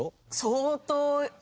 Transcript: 相当。